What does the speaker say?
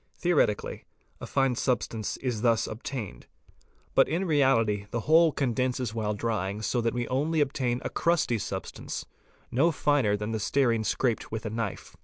Theoretically a fine substance is thus obtained. But in Pi reality the whole condenses while drying so that we only obtain a crusty xz substance, no finer than the stearine scraped with a knife.